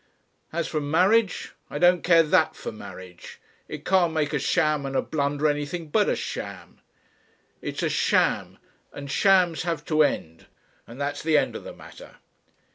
As for marriage I don't care that for marriage it can't make a sham and a blunder anything but a sham. "It's a sham, and shams have to end, and that's the end of the matter."